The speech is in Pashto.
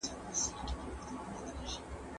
ستونزي د عقل او فکر ځواک ازمويي.